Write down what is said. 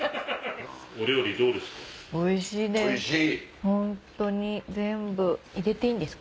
お料理どうですか？